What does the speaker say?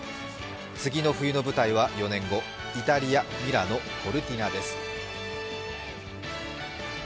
次の冬の舞台は４年後、イタリア、ミラノ・コルティナです。